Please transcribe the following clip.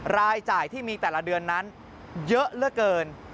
รายจ่ายที่มีแต่ละเดือนนั้นเยอะเหลือเกิน